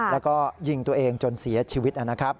แล้วก็ยิงตัวเองจนเสียชีวิตนะครับ